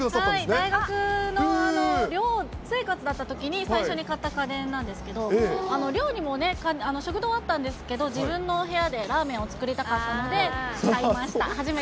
大学の寮生活だったときに最初に買った家電なんですけど、寮にも食堂あったんですけど、自分の部屋でラーメンを作りたかったので買いました。